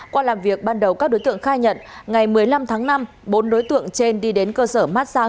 qua làm việc ban đầu các đối tượng khai nhận ngày một mươi năm tháng năm bốn đối tượng trên đi đến cơ sở massang